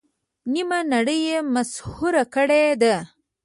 نیمه نړۍ یې مسحور کړې ده.